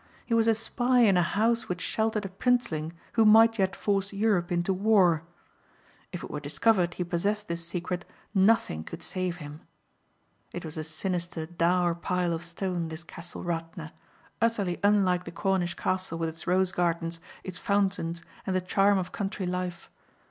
He was a spy in a house which sheltered a princeling who might yet force Europe into war. If it were discovered he possessed this secret nothing could save him. It was a sinister, dour pile of stone, this Castle Radna utterly unlike the Cornish castle with its rose gardens, its fountains and the charm of country life.